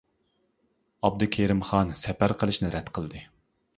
ئابدۇكېرىم خان سەپەر قىلىشنى رەت قىلدى.